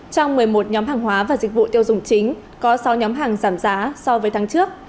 trong một mươi một nhóm hàng hóa và dịch vụ tiêu dùng chính có sáu nhóm hàng giảm giá so với tháng trước